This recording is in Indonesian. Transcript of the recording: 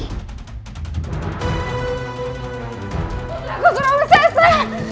putraku surawi sese